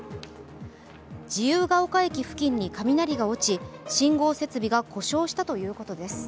自由が丘駅付近に雷が落ち、信号設備が故障したということです。